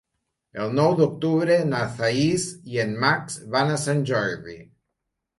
El nou d'octubre na Thaís i en Max van a Sant Jordi.